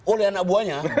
oleh anak buahnya